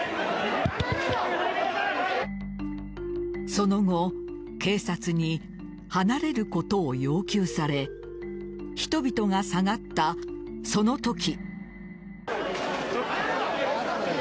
その後警察に離れることを要求され人々が下がった、そのとき。